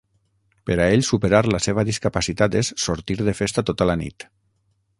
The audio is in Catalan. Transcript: Per a ell, superar la seva discapacitat és sortir de festa tota la nit.